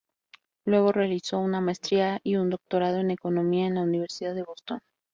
Luego realizó una maestría y un doctorado en economía en la Universidad de Boston.